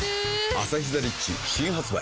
「アサヒザ・リッチ」新発売